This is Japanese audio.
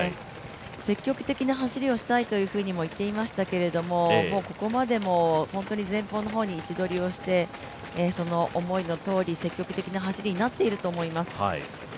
積極的な走りをしたいとおっしゃっていましたけど、ここまでも本当に前方の方に位置取りをして、その思いのとおり積極的な走りになっていると思います。